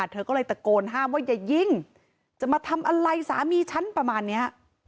เธอก็เลยตะโกนห้ามว่าอย่ายิงจะมาทำอะไรสามีฉันประมาณเนี้ย